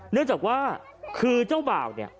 เนื่องจากว่าคือเจ้าบ่าวเนี่ย